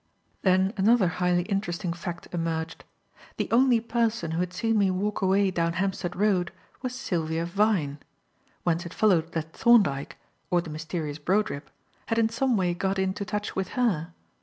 Then another highly interesting fact emerged. The only person who had seen me walk away down Hampstead Road was Sylvia Vyne; whence it followed that Thorndyke, or the mysterious Brodribb, had in some way got into touch with her.